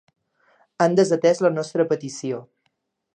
Han desatès la nostra petició.